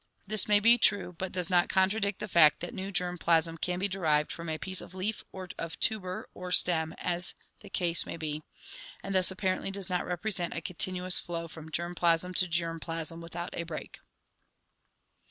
This may be true, but does not contradict the fact that new germ plasm can be derived from a piece of leaf or of tuber or stem as the case may be, and thus apparently does not represent a continuous flow from germ plasm to germ plasm without a break.